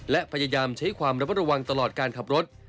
และพยายามใช้ความระมัดระวังตลอดการขับรถ